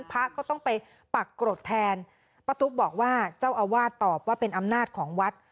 พระก็ต้องไปปักกรดแทนป้าตุ๊กบอกว่าเจ้าอาวาสตอบว่าเป็นอำนาจของวัด